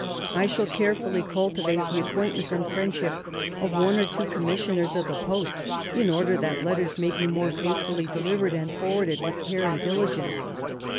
... I shall carefully cultivate the acquaintance and friendship of one or two Commissioners of the Post, in order that letters may be more faithfully delivered and forwarded with care and diligence.